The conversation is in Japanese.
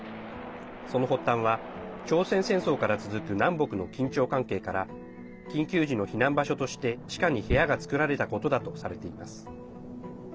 その発端は朝鮮戦争から続く南北の緊張関係から緊急時の避難場所として地下に部屋が作られたことだとされています。